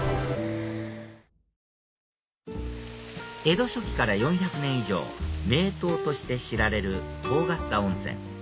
江戸初期から４００年以上名湯として知られる遠刈田温泉